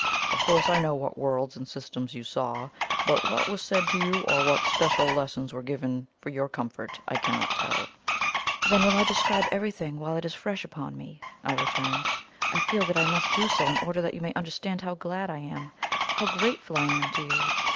"Of course I know what worlds and systems you saw, but what was said to you, or what special lessons were given you for your comfort, I cannot tell." "Then I will describe everything while it is fresh upon me," I returned. "I feel that I must do so in order that you may understand how glad I am, how grateful I am to you."